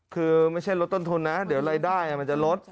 คือไม่ใช่ลดต้นทุนนะเดี๋ยวรายได้มันจะลด